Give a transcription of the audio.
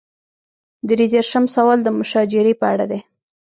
درې دېرشم سوال د مشاجرې په اړه دی.